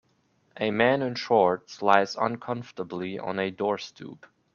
A man in shorts lies uncomfortably on a door stoop.